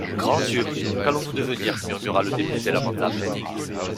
Grand Dieu ! qu'allons-nous devenir ? murmura le député lamentable.